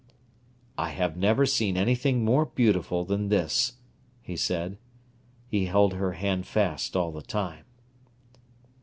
"I have never seen anything more beautiful than this," he said. He held her hand fast all the time.